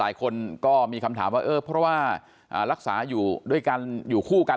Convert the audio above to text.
หลายคนก็มีคำถามว่าเออเพราะว่ารักษาอยู่ด้วยกันอยู่คู่กัน